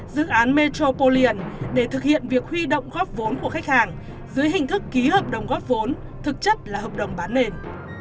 dự án metro polyan để thực hiện việc huy động góp vốn của khách hàng dưới hình thức ký hợp đồng góp vốn thực chất là hợp đồng bán nền